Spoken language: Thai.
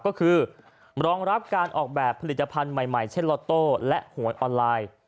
ก็คือรองรับการออกแบบผลิตภัณฑ์ใหม่เช่นล็อตโต้และหวยออนไลน์